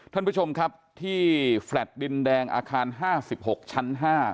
ท่านผู้ชมครับที่แฟลต์ดินแดงอาคาร๕๖ชั้น๕